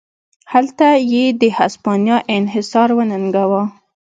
هلته یې د هسپانیا انحصار وننګاوه.